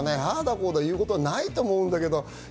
こうだ言うことないと思うんだけど。